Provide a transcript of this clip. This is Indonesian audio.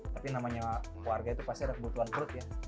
tapi namanya warga itu pasti ada kebutuhan perut ya